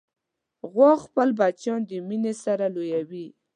غوا خپل بچیان د مینې سره لویوي.